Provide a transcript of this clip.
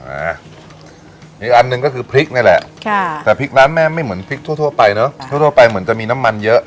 อ่าอีกอันหนึ่งก็คือพริกนี่แหละค่ะแต่พริกร้านแม่ไม่เหมือนพริกทั่วทั่วไปเนอะทั่วทั่วไปเหมือนจะมีน้ำมันเยอะ